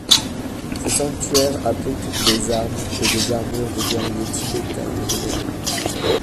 Ces sanctuaires abritent des armes et armures de guerriers tibétains vénérés.